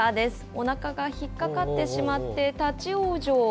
おなかが引っかかってしまって、立往生。